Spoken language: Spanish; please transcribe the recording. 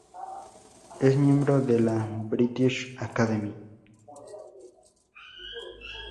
Es miembro de la British Academy.